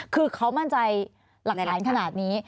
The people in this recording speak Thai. คือเขามั่นใจหลักฐานขนาดนี้